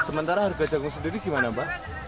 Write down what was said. sementara harga jagung sendiri gimana mbak